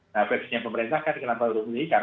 nah bebasnya pemerintah kan kenapa lalu